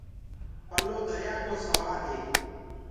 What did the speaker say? پَلو دريآ ڪو سوآد هيگآ